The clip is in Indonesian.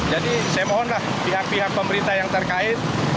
jadi saya mohonlah pihak pihak pemerintah yang terkait